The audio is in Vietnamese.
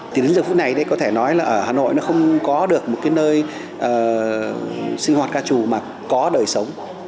từ đến giờ phút này có thể nói là hà nội không có được một nơi sinh hoạt ca trù mà có đời sống